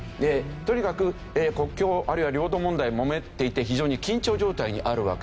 とにかく国境あるいは領土問題でもめていて非常に緊張状態にあるわけです。